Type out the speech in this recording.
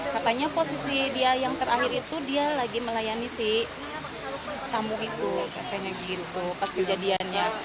makanya posisi dia yang terakhir itu dia lagi melayani si tamu itu pas kejadiannya